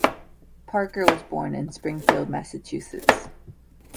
Parker was born in Springfield, Massachusetts.